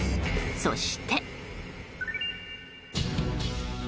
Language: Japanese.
そして。